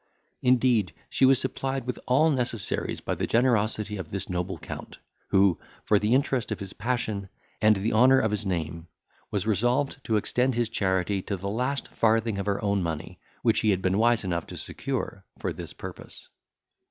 Indeed, she was supplied with all necessaries by the generosity of this noble Count, who, for the interest of his passion, and the honour of his name, was resolved to extend his charity to the last farthing of her own money, which he had been wise enough to secure for this purpose.